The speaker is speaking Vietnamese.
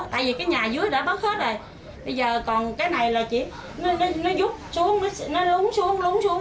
tại vì cái nhà dưới đã bớt hết rồi bây giờ còn cái này là chỉ nó rút xuống nó lúng xuống lúng xuống